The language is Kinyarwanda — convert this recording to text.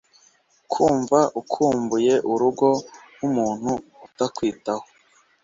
kumva ukumbuye urugo nkumuntu utakwitaho